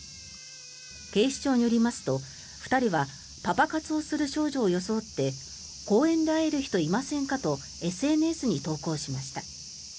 警視庁によりますと２人はパパ活をする少女を装って公園で会える人いませんかとＳＮＳに投稿しました。